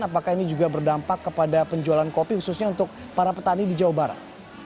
apakah ini juga berdampak kepada penjualan kopi khususnya untuk para petani di jawa barat